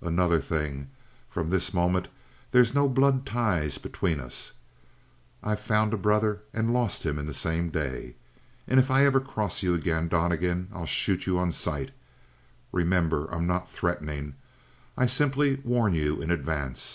"Another thing: from this moment there's no blood tie between us. I've found a brother and lost him in the same day. And if I ever cross you again, Donnegan, I'll shoot you on sight. Remember, I'm not threatening. I simply warn you in advance.